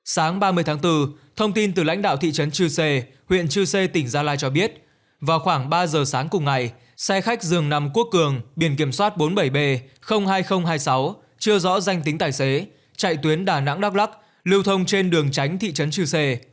sáng ba mươi tháng bốn thông tin từ lãnh đạo thị trấn chư sê huyện chư sê tỉnh gia lai cho biết vào khoảng ba giờ sáng cùng ngày xe khách dường nằm quốc cường biển kiểm soát bốn mươi bảy b hai nghìn hai mươi sáu chưa rõ danh tính tài xế chạy tuyến đà nẵng đắk lắc lưu thông trên đường tránh thị trấn chư sê